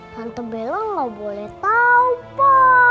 tante bella gak boleh tahu pa